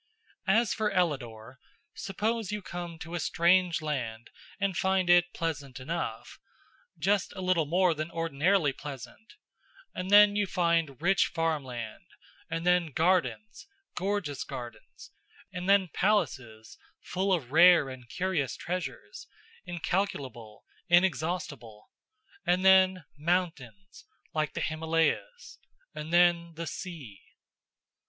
As for Ellador: Suppose you come to a strange land and find it pleasant enough just a little more than ordinarily pleasant and then you find rich farmland, and then gardens, gorgeous gardens, and then palaces full of rare and curious treasures incalculable, inexhaustible, and then mountains like the Himalayas, and then the sea.